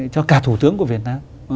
cho cả thủ tướng của việt nam